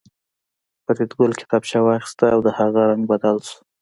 فریدګل کتابچه واخیسته او د هغه رنګ بدل شو